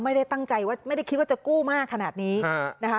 ไม่ได้ตั้งใจว่าไม่ได้คิดว่าจะกู้มากขนาดนี้นะคะ